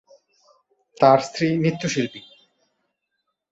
তার স্ত্রী নৃত্যশিল্পী।